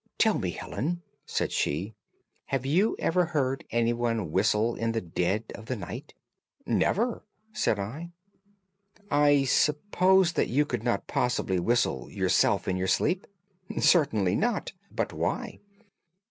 "'Tell me, Helen,' said she, 'have you ever heard anyone whistle in the dead of the night?' "'Never,' said I. "'I suppose that you could not possibly whistle, yourself, in your sleep?' "'Certainly not. But why?